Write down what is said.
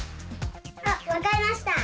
あわかりました！